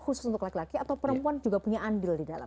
khusus untuk laki laki atau perempuan juga punya andil di dalam